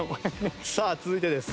さあ続いてです。